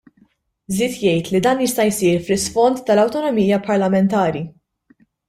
Żied jgħid li dan jista' jsir fl-isfond tal-awtonomija parlamentari.